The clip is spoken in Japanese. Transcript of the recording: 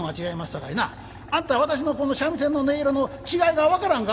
さかいなあんた私のこの三味線の音色の違いが分からんか？」。